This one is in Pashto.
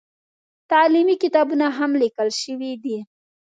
تعلیمي کتابونه هم لیکل شوي دي.